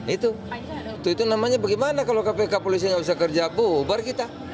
itu itu namanya bagaimana kalau kpk polisinya bisa kerja bubar kita